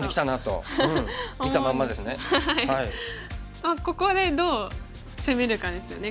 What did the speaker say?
あっここでどう攻めるかですよね